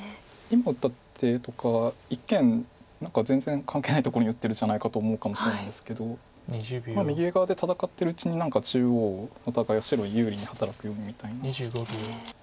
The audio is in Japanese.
今打った手とかは一見何か全然関係のないところに打ってるじゃないかと思うかもしれないんですけど右側で戦ってるうちに何か中央の戦いを白有利に働くよみたいな。